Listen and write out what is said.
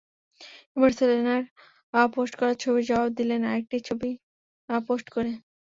এবার সেলেনার পোস্ট করা ছবির জবাব দিলেন আরেকটি ছবি পোস্ট করে।